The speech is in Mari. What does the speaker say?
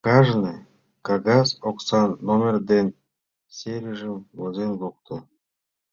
Кажне кагаз оксан номер ден серийжым возен лукто.